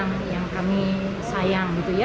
nah satu yang kami sayang gitu ya